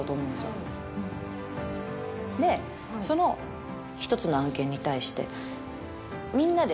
でその１つの案件に対して。